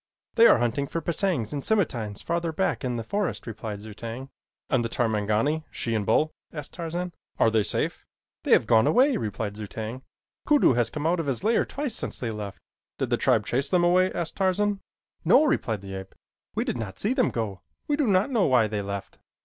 "They are hunting for pisangs and scimatines farther back in the forest," replied Zu tag. "And the Tarmangani she and bull " asked Tarzan, "are they safe?" "They have gone away," replied Zu tag. "Kudu has come out of his lair twice since they left." "Did the tribe chase them away?" asked Tarzan. "No," replied the ape. "We did not see them go. We do not know why they left."